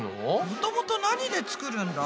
もともと何で作るんだ？